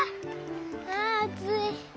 ああつい。